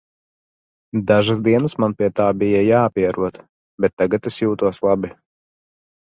Dažas dienas man pie tā bija jāpierod, bet tagad es jūtos labi.